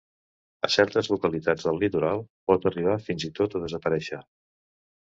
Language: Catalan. A certes localitats del litoral pot arribar fins i tot a desaparèixer.